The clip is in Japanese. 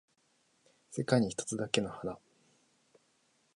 世界に一つだけの花